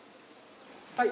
はい。